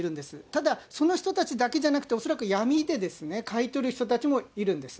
ただ、その人たちだけじゃなくて、恐らく闇で買い取る人たちもいるんです。